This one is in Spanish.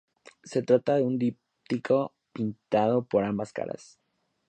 Se trata de un díptico pintado por ambas caras.